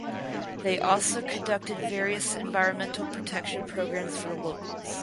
They also conducted various environmental protection programs for the locals.